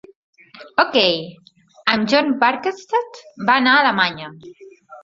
Okey, amb John Barkstead, va anar a Alemanya.